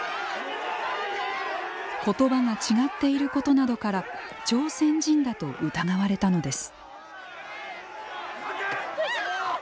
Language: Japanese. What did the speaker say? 言葉が違っていることなどから朝鮮人だと疑われたのです。